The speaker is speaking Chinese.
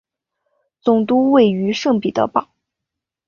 总部位于圣彼得堡。